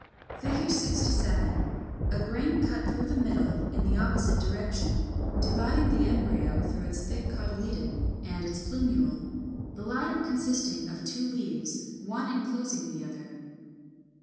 67. A grain cut through the middle in the opposite direction, dividing the embryo through its thick cotyledon and its plumule, the latter consisting of two leaves, one enclosing the other.